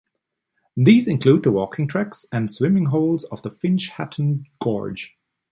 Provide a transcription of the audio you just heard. These include the walking tracks and swimming holes of Finch Hatton Gorge.